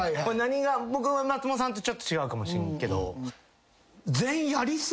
僕松本さんとちょっと違うかもしれんけど。